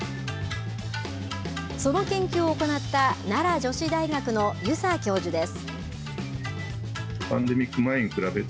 その研究を行った奈良女子大学の遊佐教授です。